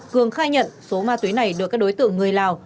cường khai nhận số ma túy này được các đối tượng người lào